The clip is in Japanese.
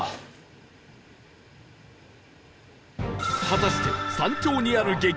果たして山頂にある激